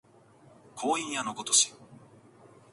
光陰矢のごとし